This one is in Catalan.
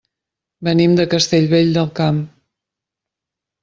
Venim de Castellvell del Camp.